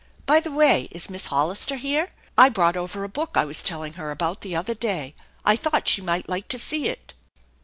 By the way, is Miss Hollister here? I brought over a book I was telling her about the other day. I thought she might like to see it."